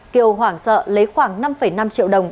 kiều hoảng sợ lấy khoảng năm năm triệu đồng